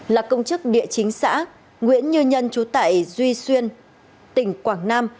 là công chức địa chính xã nguyễn như nhân trú tại duy xuyên tỉnh quảng nam